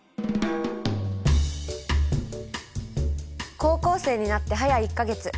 高校生になってはや１か月。